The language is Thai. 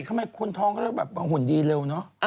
ทำไมคนท้องก็แบบหุ่นดีเร็วเนาะ